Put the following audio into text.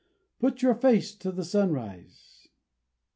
Put your face to the sunrise."